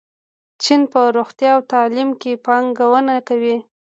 چین په روغتیا او تعلیم کې پانګونه کوي.